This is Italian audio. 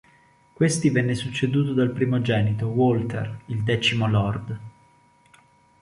Questi venne succeduto dal primogenito, Walter, il X lord.